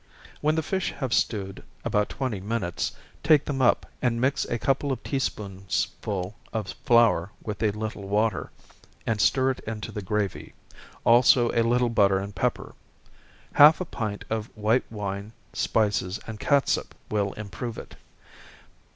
When the fish have stewed about twenty minutes, take them up, and mix a couple of tea spoonsful of flour with a little water, and stir it into the gravy, also, a little butter and pepper. Half a pint of white wine, spices, and catsup, will improve it.